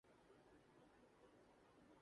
London Nahi Jaunga کی cast میں ایک اور اداکار شامل